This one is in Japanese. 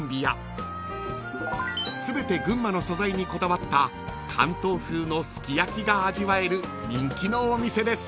［全て群馬の素材にこだわった関東風のすき焼が味わえる人気のお店です］